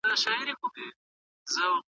جنګ او جګړه بس کړئ.